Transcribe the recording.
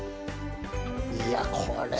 「いやこれは」